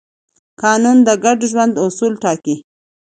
قانون د ګډ ژوند اصول ټاکي.